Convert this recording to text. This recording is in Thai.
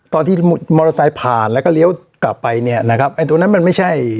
ตอนที่มอเตอร์ไซค์ผ่านแล้วก็เลี้ยวกลับไปเนี่ยนะครับไอ้ตรงนั้นมันไม่ใช่